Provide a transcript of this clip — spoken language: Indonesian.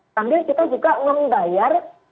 sambil kita juga membayar